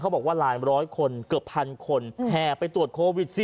บอกว่าหลายร้อยคนเกือบพันคนแห่ไปตรวจโควิด๑๙